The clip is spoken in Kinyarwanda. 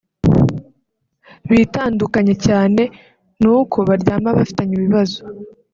bitandukanye cyane n’uko baryama bafitanye ibibazo